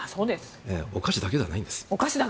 お菓子だけではないんです。